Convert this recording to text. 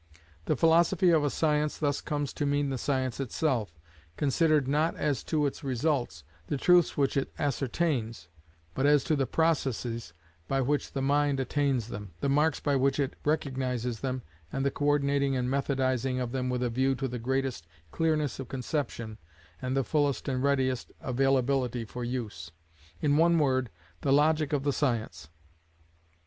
The philosophy of a Science thus comes to mean the science itself, considered not as to its results, the truths which it ascertains, but as to the processes by which the mind attains them, the marks by which it recognises them, and the co ordinating and methodizing of them with a view to the greatest clearness of conception and the fullest and readiest availibility for use: in one word, the logic of the science.